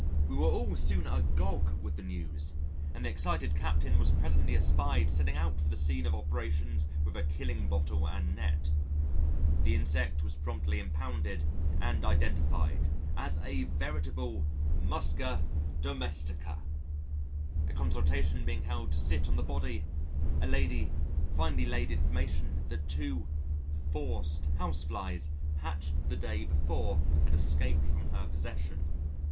We were all soon agog with the news, and the excited Captain was presently espied setting out for the scene of operations with a killing bottle and net. The insect was promptly impounded and identified as a veritable Musca domestica. A consultation being held to sit on the body, a lady finally laid information that two "forced Houseflies" hatched the day before had escaped from her possession.